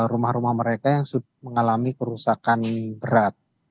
rumah rumah mereka yang mengalami kerusakan berat